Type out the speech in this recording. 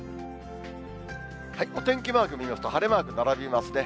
お天気マーク見ますと、晴れマーク並びますね。